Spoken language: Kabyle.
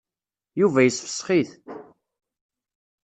Yuba yessefsex-it.